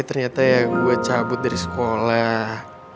ternyata ya gue cabut dari sekolah